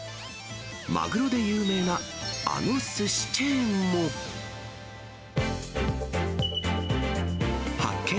マグロで有名なあのすしチェーンも。発見！